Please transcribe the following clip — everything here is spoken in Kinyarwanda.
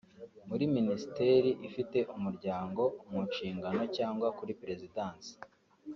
muri Minisiteri ifite umuryango mu nshingano cyangwa kuri Perezidansi